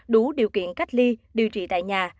đủ điều kiện cách ly điều trị tại nhà